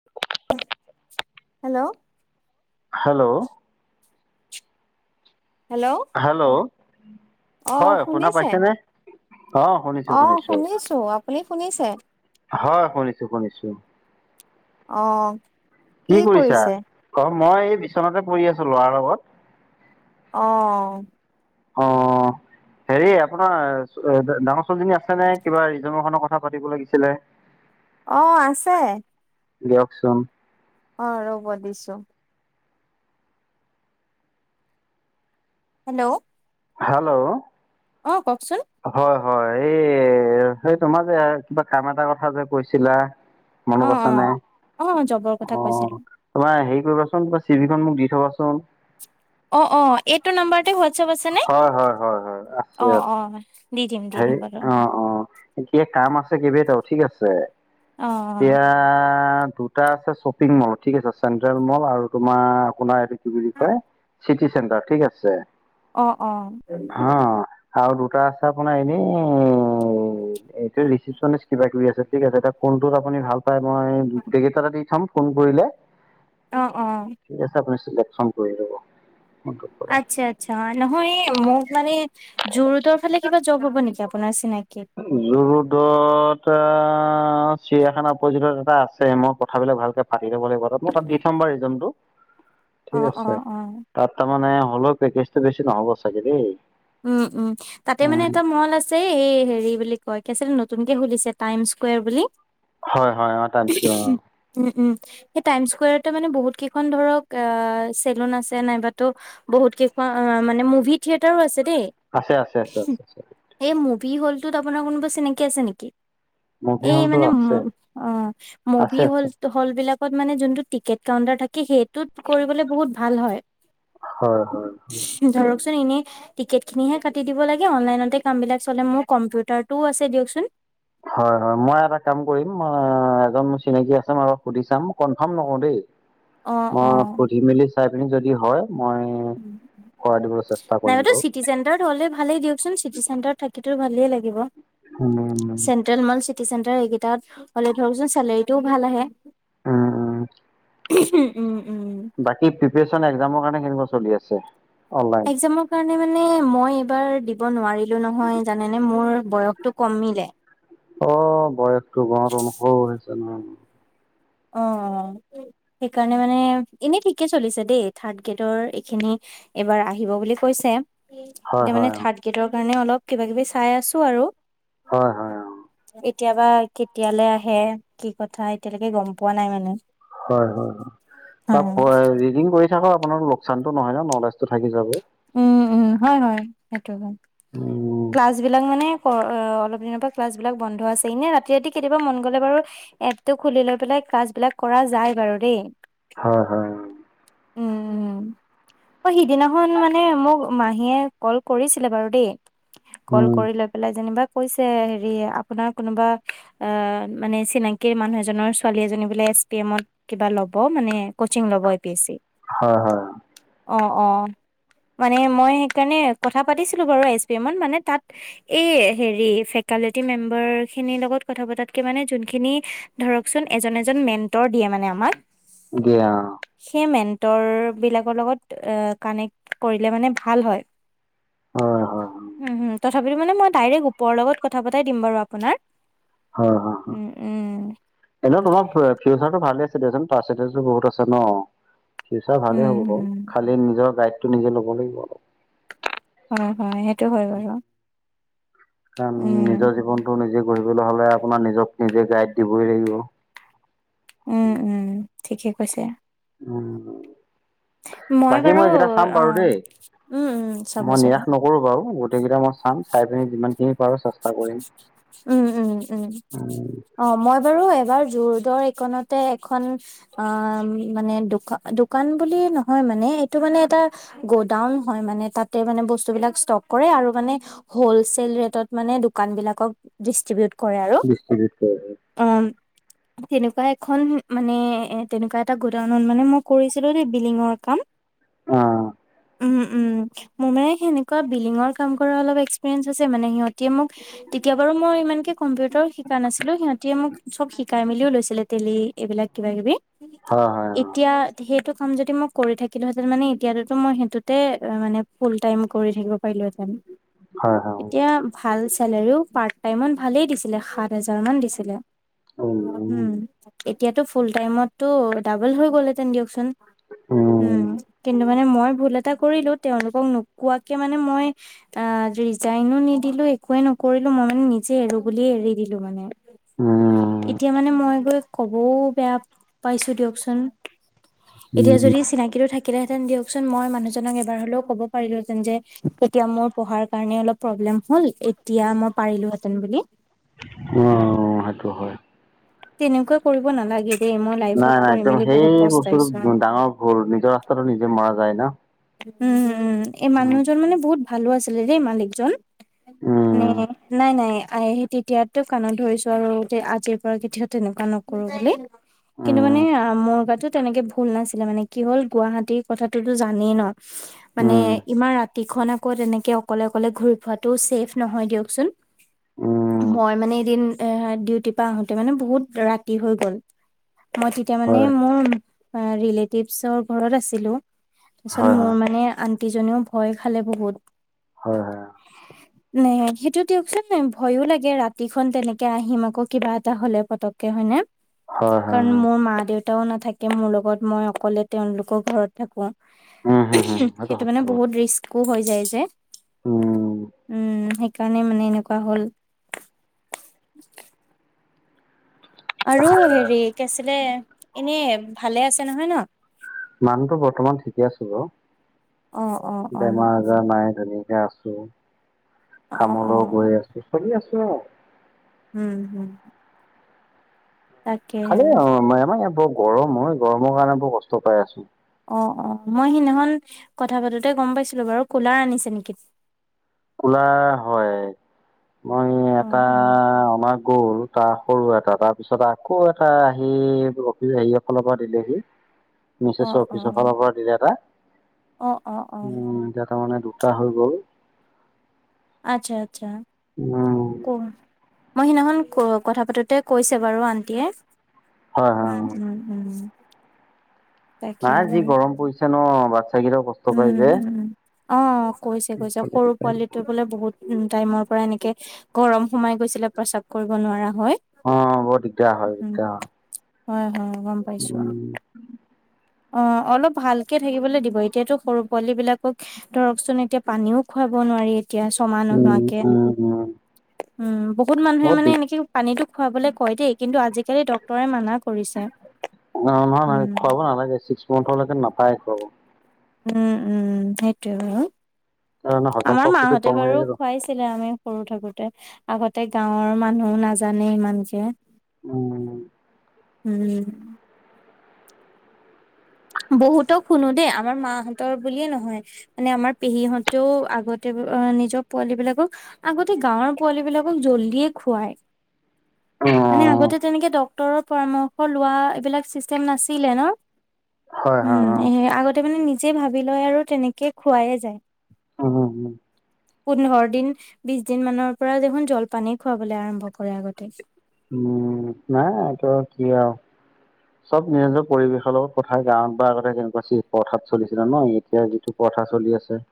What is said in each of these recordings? [inaudible] Hello! Hello! Hello! Hello! অ হয় শুনা শুনিছে? পাইছা নে? অঁ শুনিছো অ শুনিছো। আপুনি শুনিছে? হয় শুনিছো শুনিছো। অঁ। কি কৰিছা? অ মই এই বিচনাতে পৰি আছো লৰাৰ লগত। অ। অঁহ। হেৰি আপোনাৰ ডাঙৰ ছোৱালীজনী আছে নে? কিবা ৰিজউম এখনৰ কথা পাতিব লাগিছিলে। অঁ আছে। দিয়কচোন। অ ৰ'ব দিছো হেল্ল হেল্ল অ কওক চোন হয় হয় এই সেই তোমাৰ যে কিবা কাম এটা কথা যে কৈছিলা অ মনত আছে নে জবৰ কথা অ কৈছিলো তোমাৰ হেৰি কৰিবাচোন তোমাৰ চিভিখন মোক দি থবাচোন অ অ এইটো নাম্বাৰতে হোৱাটছএপ আছে নে হয় হয় হয় হয় আছে অ আছে অ দি দিম দি দিম হেৰি বাৰু অ অ এতিয়া কাম আছে কেইবাটাও ঠিক আছে অ অ এতিয়া দু দুটা আছে শ্বপিং মল ঠিক আছে চেণ্ট্ৰেল মল আৰু তোমাৰ আপোনাৰ এইটো কি বুলি কয় চিটি চেণ্টাৰ ঠিক আছে অহ অহ হা আৰু দুটা আছে আপোনাৰ এনে এইটো ৰিচিপচনচ কিবা কিবি আছে ঠিক আছে এতিয়া কোনটোত আপুনি ভাল পায় মই গোটেই কেইটাতে দি থম ফোন কৰিলে অহ অহ ঠিক আছে আপুনি চিলেকচন কৰি লব কৰে আচ্ছা আচ্ছা নহয় এই মোক মানে জু ৰুডোৰ ফালে কিবা জব হব নেকি আপোনাৰ চিনাকি জু ৰোডত এটা চিৰিয়াখানা অপজিতত এটা আছে মই কথাবিলাক ভালকে পাতি ল'ব লাগিব মই তাত দি থম বাৰু ৰিজীনটো [inaudible] ঠিক আছে অ তাত তাৰমানে হ'লেও পেকেজটো বেছি নহ'ব চাগে দেই উম উম তাতে মানে উম, এটা মল আছে ছে এই হেৰি বুলি কয় কি আছিল নতুনকে খুুলিছে টাইম স্কুৱেৰ বুলি হয় হয় অ টাইম স্কুৱেৰ উম উম সেই টাইম স্কুৱেৰতো মানে বহুত কেইখন ধৰক অ চেলুন আছে নাইবাতো বহুত কেইখন মানে মুভি থিয়েটাৰো আছে দেই আছে আছে আছে আছে সেই মুভি হলটোত আপোনাৰ কোনোবা চিনাকি আছে নেকি মুভি এই হলটো মানে ম আছে অ আছে মুভি হ'ল আছে হল বিলাকত মানে যোনটো টিকেট কাউন্টাৰ থাকে সেইটোত কৰিবলে বহুত ভাল হয় হয় হয় হয় ধৰকচোন এনেই টিকেটখিনিহে কাটি দিব লাগে অনলাইনতে কামবিলাক চলে মোৰ কম্পিউটাৰটোও আছে দিয়কচোন হয় হয় মই এটা কাম কৰিম এজন মোৰ চিনাকি আছে মই সুধি চাম কনফাৰ্ম নকৰো দেই অ', অ'। মই সুধি মেলি চাই পিনি যদি হয় মই [unintelligible] কৰাই দিবলৈ চেষ্টা কৰিম বাৰু চিটি চেণ্টাৰত হ'লেও ভালেই দিয়কচোন চিটি চেণ্টাৰ থাকিতো ভালেই লাগিব উম হোটেল মল চিটি চেণ্টাৰ এইকেইটাত হ'লে ধৰকচোন চেলাৰী টোও ভাল আহে উম উম উম উম বাকী প্ৰিপিয়েচন একজামৰ কাৰণে কেনেকুৱা চলি আছে অনলাইন একজামৰ কাৰণে মানে মই এইবাৰ দিব নোৱাৰিলো নহয় জানেনে মোৰ বয়সটো কমিলে অ বয়সটো গত অনুস হৈছে নহয় অ সেইকাৰণে মানে এনেই ঠিকে চলিছে দেই থাৰ্ড গ্ৰেডৰ এইখিনি এইবাৰ আহিব বুলি কৈছে হয় এতিয়া মানে হয় অঁ থাৰড গ্ৰেডৰ কাৰণে অলপ কিবা কিবি চাই আছো আৰু হয় হয় অঁ এতিয়া বা কেতিয়ালৈ আহে কি কথা এতিয়ালৈকে গম পোৱা নাই মানে হয় হয় হয় ৰিডিং কৰি থাকক আপোনাৰ লোকচানতো নহয় ন নলেজটো থাকি যাব উম উম হয় হয় সেইটো উম ক্লাছ বিলাক মানে অলপ দিনৰ পৰা ক্লাছ বিলাক বন্ধ আছে এনে ৰাতি ৰাতি কেতিয়াবা মন গ'লে বাৰু এপটো খুলি লৈ পেলাই ক্লাছ বিলাক কৰা যায় বাৰু দেই হয় হয় উম উম অ সিদিনাখন মানে মোক মাহীয়ে কল কৰিছিলে বাৰু দেই কল উম কৰি লৈ পেলাই যেনিবা কৈছে হেৰি আপোনাৰ কোনোবা আহ মানে চিনাকীৰ মানুহ এজনৰ ছোৱালী এজনী বোলে এছ পি এমত কিবা ল'ব মানে কচিং ল'ব এ পি এছ চি হয় হয় অ অ মানে মই সেইকাৰণে কথা পাতিছিলোঁ বাৰু এছ পি এইমত মানে তাত এই হেৰি ফেকালটি মেম্বাৰ খিনিৰ লগত কথা পতাতকে মানে যোনখিনি ধৰকচোন এজন এজন মেণ্টৰ দিয়ে মানে আমাক দিয়ে অ সেই মেন্টৰ বিলাকৰ লগত কানেক কৰিলে মানে ভাল হয় অ হয় হয় উম তথাপি মানে মই ডাইৰেক ওপৰ লগত কথা পতাই দিম বাৰু আপোনাৰ হয় হয় উম উম এনে তোমাৰ ফিউচাৰটো ভালে আছে দে পাৰ্চেন্টেজ ও বহুত আছে ন ফিউচাৰ ভালে উম হ'ব বাৰু উম খালি নিজৰ গাইডটো নিজে ল'ব লাগিব অলপ হয় হয় সেইটো হয় বাৰু কাৰণ উম নিজৰ জীৱনতটো নিজে গঢ়িবলৈ হলে আপোনাৰ নিজক নিজে গাইড দিবই লাগিব উম উম ঠিকে কৈছে উম বাকী মই এইকেইটা চাম অ বাৰু দেই উম উম চাব মই চাব নিৰাশ নক কৰোঁ বাৰু গোটেইকেইটা মই চাম চাই পিনি যিমান যি পাৰো চেষ্টা কৰিম উম উম উম অ মই বাৰু এবাৰ যোৰদৰ এইকণতে এখন অ মানে দোকান দোকান বুলি নহয় মানে এইটো মানে এটা গ'ডাউন হয় মানে তাতে মানে বস্তুবিলাক ষ্টক কৰে আৰু মানে হ'লচেল ৰেটত মানে দোকান বিলাকক ডিষ্ট্ৰিবিউট কৰে আৰু দিশ্ৰিবিউৎ কৰে অ তেনেকুৱা এখন মানে এ তেনেকুৱা এটা গুডাউনত মানে মই কৰিছিলো দেই বিলডিঙৰ কাম অ উম উম মোৰ মানে সেনেকুৱা বিল্ডিঙৰ কাম কৰা অলপ এক্সপেৰিয়েন্স আছে মানে সিহঁতে মোক তেতিয়া বাৰু মই ইমানকে কম্পিউটাৰ শিকা নাছিলো সিহঁতি মোক চব শিকাই মেলিও লৈছিলে তেলী এইবিলাক কিবা কিবি হয় হয় অ এতিয়া সেইটো কাম যদি মই কৰি থাকিলোহেঁতেন মানে এতিয়াতো মই সেইটোতে অ মানে ফুল টাইম কৰি থাকিব পাৰিলোহেঁতেন হয় হয় এতিয়া ভাল চেলাৰীও পাৰট টাইমত ভালেই দিছিলে সাত হাজাৰ মান দিছিলে উম এতিয়াতো ফুল টাইমতটো ডাবল হৈ গ'লহেতেন দিয়কচোন উম কিনো মানে মই ভুল এটা কৰিলো তেওঁলোকক নোকোৱাকে মানে মই অ ৰিজাইনো নি দিলো একোৱে নকৰিলো মই মানে নিজে এৰো বুলিয়ে এৰি দিলো মানে উম এতিয়া মানে মই গৈ ক'বও বেয়া পাইছো দিয়কচোন এতিয়া যদি চিনাকিটো থাকে ম [unintelligible] হ'ল এতিয়া মই পাৰিলো হেতেন বুলি অ সেইটো হয় তেনেকুৱা কৰিব নালাগে দেই মই লাইফত নাই নাই কৰি একদম মেলি সেই বহুত পস্তাইছো। বস্তুটো ডাঙৰ ভুল নিজৰ ৰাস্তাতো নিজে মৰা যায় ন উম উম এই উম মানুহজন মানে বহুত ভালো আছিলে দেই মালিকজন মানে উম নাই নাই আহ তেতিয়াতো কাণত ধৰিছো আৰু আজিৰ পৰা তেনেকুৱা নকৰো বুলি কিন্তু মানে উম মগাতো তেনেকে ভুল নাছিলে মানে কি হ'ল গুৱাহাটীৰ কথাতোতো জানেই ন মানে উম ইমান ৰাতিখন আকৌ তেনেকে অকলে অকলে ঘূৰি ফুৰাটো ছেফ নহয় দিয়কচোন উম মই মানে এদিন এ ডিউটিৰ পৰা আহোতে তেতিয়া মানে বহুত ৰাতি হৈ গ'ল মই তেতিয়া মানে হয় মোৰ ৰিলেটিভছৰ ঘৰত আছিলো তাৰপিছত হয় হয় মোৰ মানে আন্টিজনেও ভয় খালে বহুত হয় হয় ন সেইটো দিয়কচোন ভয়ো লাগে ৰাতিখন তেনেকে আহিম আকৌ কিবা হলে পতককে হয়নে হয় হয় হয় কাৰণ মোৰ মা দেউতা এও নাথাকে মোৰ লগত মই অকলে তেওঁলোকৰ ঘৰত থাকো উম হম হম সেইটো মানে সত্য কথা বহুত ৰিস্ক একো হৈ যায় যে উম সেইকাৰণে মানে এনেকুৱা হ'ল আৰু হেৰি কি আছিলে এনে ভালে আছে নহয় ন মানুহতো বৰ্তমান ঠিকে আছো বাৰু অ', অ', অ', বেমাৰ জ নাই ধুনীয়াকে আছো অ', কামলৈ অ', গৈ আছো চলি আছো আৰু উম হুম খালি আমাৰ ইয়াত বৰ গৰম হয় গৰমৰ কাৰণে বৰ কষ্ট পাই আছো অ অ মই সিদিনাখন কথা পাতোতে গম পাইছিলো বাৰু কুলাৰ আনিছে নেকি কোলাৰ হয় মই অ', এটা অমাৰ গ'ল এটা সৰু এটা তাৰ পিছত আকৌ এটা আহি অভি হৰিসকলৰ পৰা দিলেহি [unintelligible] মিছেছৰ অ', অফিচৰ ফালৰ পৰা দিলে এটা অ', অ', অ'। উম এতিয়া তাৰমানে দুটা হৈ গ'ল আচ্ছা আচ্ছা উম, ক মই সিদিনাখন কক কথা পাতোতে কৈছে বাৰু আণ্টিয়ে হয় হয় উম হয়। উম উম উম নাই যি গৰম পৰিছে ন বাৎচ্ছা কেইটাও কচ- উম উম' অঁ, কৈছে কৈছে সৰু পোৱালিটো বোলে বহুত- উম' টাইমৰ পৰা এনেকে গৰম সোমাই গৈছিলে প্ৰেস্ৰাৱ কৰিব নোৱাৰা হয়। অঁ অঁ, বহুত দিগদাৰ হয় দিগদাৰ হয়। হয় হয়, গম পাইছো অঁ'। উম' অঁ' অলপ ভালকে থাকিবলৈ দিব এতিয়াতো সৰু পোৱালী বিলাকক ধৰকচোন এতিয়া- পানীও খুৱাব নোৱাৰি এতিয়া ছমাহ উম, নোহোৱাকে। উম, উম। উম' বহুত মানুহে মানে এনেকে পানীটো খুৱাবলে কয় দেই কিন্তু আজিকালি ডক্তৰে মানা কৰিছে। [inaudible] ন নহয় নহয় উম খোৱা বোৱা- নালাগে, ছিপছ- মন্ঠলৈকে নাপায় খোৱাব। উম উম' সেইটোৱে বাৰু কাৰণ হজম আমাৰ শক্তিটো মাহঁতে কম হৈ বাৰু গ'ল। খুৱাইছিলে আমি- সৰু থাকোতে আগতে গাঁৱৰ মানুহো নাজানে ইমানকে। উম উম' উম' বহুতক শুনো দেই আমাৰ মাহঁতৰ বুলিয়ে নহয়। মানে আমাৰ পেহীহঁতেও আগতে নিজৰ পোৱালী বিলাকক- আগতে গাঁৱৰ পোৱালী বিলাকক জল্দিয়ে খুৱাই, মানে উম আগতে তেনেকে ডক- ক্তৰৰ পৰামৰ্শ লোৱা এইবিলাক চিষ্টেম নাছিলেই ন। হয়, হয়, উম' এ অ'। আগতে মানে নিজে ভাবি লয় আৰু তেনেকে খোৱাই এ যায়। অঁ অঁ উম' পোন্ধৰ দিন বিশ দিন মানৰ পৰা দেখোন জলপানে খুৱাবলৈ আৰম্ভ কৰে আগতে। উম' নাই এইতো আৰু কি আৰু? চব নিজ নিজৰ পৰিৱেশৰ লগত কথা গাঁৱত বা আগতে কেনেকুৱা পথাৰত চলিছিলে ন, এতিয়া যিটো- প্ৰথা চলি আছে।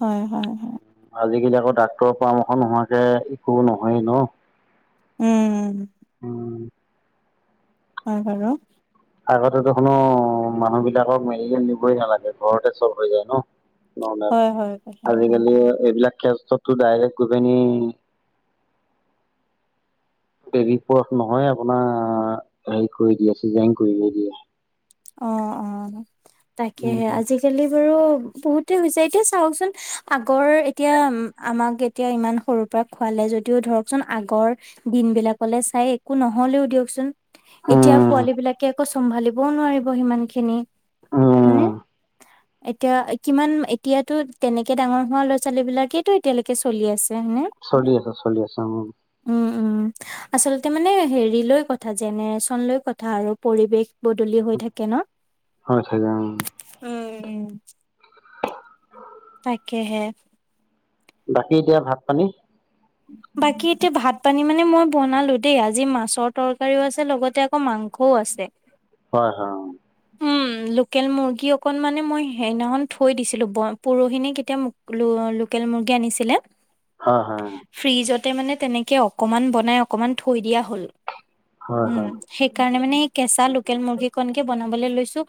হয় হয় হয়। আজিকালি আকৌ ডাক্তৰৰ পৰামৰ্শ নোহোৱাকে একো নহয়েই ন। উম' উম, হল হয়, অও। আগতে তো কোনো মানুহ বিলাকক মেডিকেল নিবই নালাগে, ঘৰতে চব হৈ যায় ন। নৰ্মেল, হয়, হয়, কথাটো হয়। আজিকালি এইবিলাক ক্ষেত্ৰতো ডাইৰেক্ট গৈ পিনি- বেবী পুৰঠ নহয় আপোনাৰ হেৰি কৰি দিয়ে চিজাৰিন কৰি দিয়ে। অঁ অঁ উম, তাকেহে, আজি- কালি বাৰু বহুতে হৈছে এতিয়া চাওকচোন আগৰ এতিয়া আমাক এত- এতিয়া ইমান সৰুৰ পৰা খোৱালে যদিও ধৰকচোন আগৰ- দিনবিলাকলে চাই একো নহলেও দিয়কচোন। এতিয়া উম। উম, পোৱালী বিলাকে আকৌ চম্ভালিবও নোৱাৰিব সিমান খিনি হয়নে? উম, এতিয়া কিমান এতিয়াতো তেনেকে ডাঙৰ হোৱা ল'ৰা ছোৱালীবিলাকেইতো এতিয়ালেকে চলি আছে হয়নে? চলি আছে চলি আছে, উম'। উম উম' আচলতে মানে হেৰি লৈ কথা জেনেৰেচন লৈ কথা আৰু পৰিৱেশ- বদলি হৈ থাকে। ন? হয় থাকে অঁ। উম উম' তাকেহে। বাকী এতিয়া ভাত পানী? বাকী এতিয়া ভাত পানী মানে মই বনালো দেই আজি মাছৰ তৰকাৰিও আছে লগতে আকৌ মাংসও আছে। হয় হয়, উম। উমঁ' লোকেল মুৰ্গী অকন মানে মই সেইদিনাখন থৈ দিছিলো পৰহিনে কেতিয়া লো লোকেল মুৰ্গী আনিছিলে- হয় হয়। ফ্ৰিজতে মানে তেনেকে অকমান বনাই অকমান থৈ দিয়া হ'ল, হয় হয় উমঁ। সেইকাৰণে মানে এই কেঁচা লোকেল মুৰ্গী কনকে বনাবলৈ লৈছো।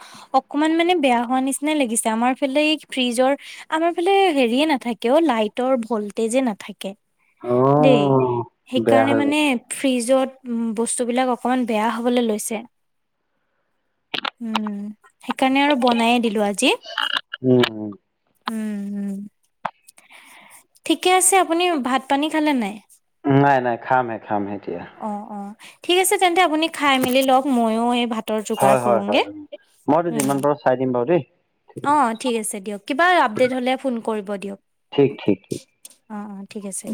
অকমান মানে বেয়া হোৱা নিচিনা লাগিছে আমাৰ ফালে এই ফ্ৰিজৰ আমাৰ ফালে সেৰিয়ে নাথাকে অঁ' লাইটৰ ভল্টেজে নাথাকে। দেই অ' বেয়া সেইকাৰণে হৈ মানে গৈছে। ফ্ৰিজত বস্তুবিলাক অকমান বেয়া হ'বলৈ লৈছে। উমঁ' সেইকাৰণে আৰু বনাই এ দিলো আজি। উম। উম উম। ঠিকে আছে, আপুনি ভাত পানী খালে নে নাই? নাই নাই, খাম হে খাম হে এতিয়া। অঁ, অঁ, ঠিক আছে তেন্তে আপুনি খাই মেলি লওক ময়ো এই ভাতৰ যোগাৰ হয়, হয়, কৰোগে। হয়, মইতো যিমান পাৰো চাই দিম বাৰু দেই। অঁ, ঠিক আছে দিয়ক, কিবা আপডেট হ'লে ফোন কৰিব দিয়ক। ঠিক ঠিক ঠিক। অঁ, অঁ, ঠিক আছে।